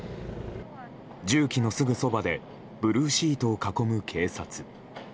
重機のすぐそばでブルーシートを囲む警察。